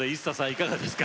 いかがですか？